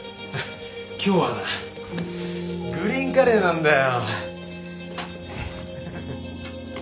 今日はなグリーンカレーなんだよ。